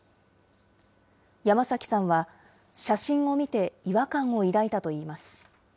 山崎さんは、写真を見て違和感を抱いたといいます。